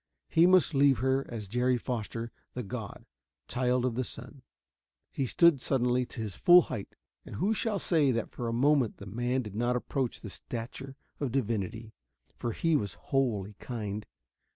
He must leave her as Jerry Foster, the god, child of the sun. He stood suddenly to his full height, and who shall say that for a moment the man did not approach the stature of divinity for he was wholly kind.